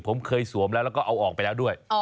ผมเคยสวมแล้วแล้วก็เอาออกไปแล้วด้วย